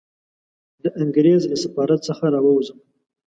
د انګریز له سفارت څخه را ووځم.